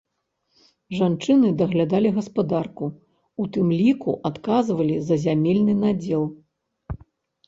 Жанчыны даглядалі гаспадарку, у тым ліку адказвалі за зямельны надзел.